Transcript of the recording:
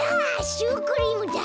シュークリームだ。